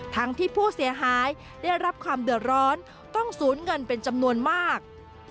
ทั้งที่ผู้เสียหายได้รับความเดือดร้อนต้องศูนย์เงินเป็นจำนวนมาก